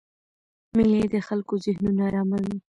مېلې د خلکو ذهنونه آراموي.